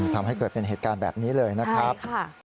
ทำให้เกิดเป็นเหตุการณ์แบบนี้เลยนะครับ